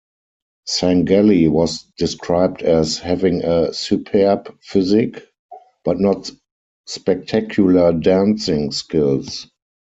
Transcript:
Sangalli was described as having a "superb physique", but not spectacular dancing skills.